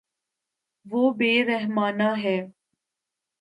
وہ بے رحمانہ ہے